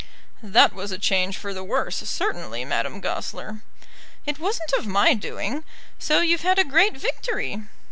"That was a change for the worse, certainly, Madame Goesler." "It wasn't of my doing. So you've had a great victory."